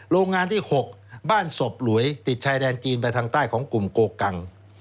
โรงงานที่๖บ้านศพหลวยติดชายแดนจีนไปทางใต้ของกลุ่มโกกัง